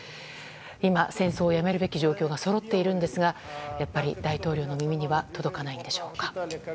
今、戦争をやめるべき状況がそろっているんですがやっぱり、大統領の耳には届かないんでしょうか。